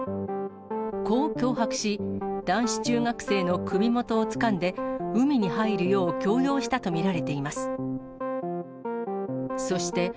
こう脅迫し、男子中学生の首元をつかんで、海に入るよう強要したと見られています。